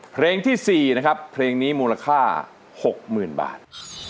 เพลงที่๔นะครับเพลงนี้มูลค่า๖๐๐๐บาท